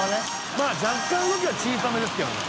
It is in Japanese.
まぁ若干動きは小さめですけどね。